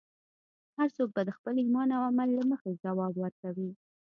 هر څوک به د خپل ایمان او عمل له مخې ځواب ورکوي.